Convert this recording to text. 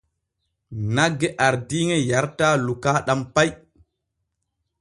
Nagge ardiiŋe yarataa lukaaɗam pay.